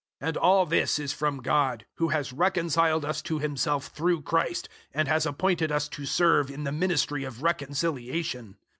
005:018 And all this is from God, who has reconciled us to Himself through Christ, and has appointed us to serve in the ministry of reconciliation.